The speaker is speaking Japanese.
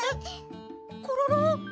コロロ！？